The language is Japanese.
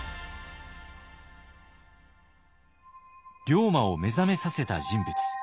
龍馬を目覚めさせた人物。